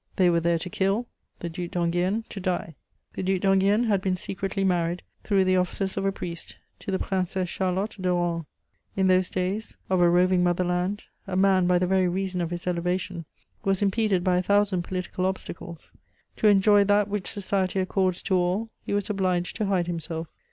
They were there to kill, the Duc d'Enghien to die. The Duc d'Enghien had been secretly married, through the offices of a priest, to the Princesse Charlotte de Rohan: in those days of a roving mother land, a man, by the very reason of his elevation, was impeded by a thousand political obstacles; to enjoy that which society accords to all, he was obliged to hide himself.